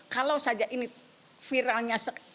kalau saja ini viralnya sekejap lagi